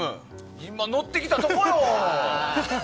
今、乗ってきたところよ。